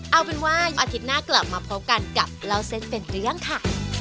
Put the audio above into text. เอาเป็นว่าอาทิตย์หน้ากลับมาพบกันกับเล่าเส้นเป็นเรื่องค่ะ